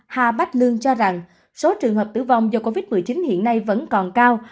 hà bách lương cho rằng số trường hợp tử vong do covid một mươi chín hiện nay vẫn còn cao